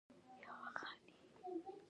د هغو ځایونو خلک د ځان تابع کوي